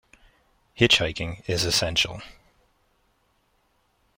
Hitchhiking is essential.